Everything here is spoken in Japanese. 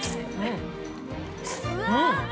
うん！